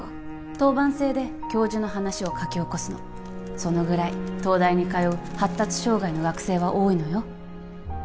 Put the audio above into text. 当番制で教授の話を書き起こすのそのぐらい東大に通う発達障害の学生は多いのよ